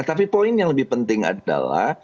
tapi poin yang lebih penting adalah